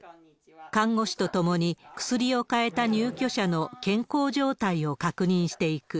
看護師と共に、薬を変えた入居者の健康状態を確認していく。